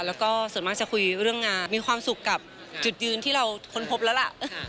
แล้วก็ส่วนมากจะคุยเรื่องงานมีความสุขกับจุดยืนที่เราค้นพบแล้วล่ะ